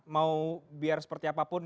mau biar seperti apapun